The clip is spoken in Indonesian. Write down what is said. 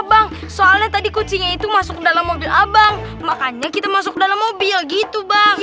bang soalnya tadi kucingnya itu masuk ke dalam mobil abang makanya kita masuk dalam mobil gitu bang